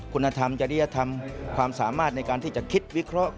คุณธรรมจริยธรรมความสามารถในการที่จะคิดวิเคราะห์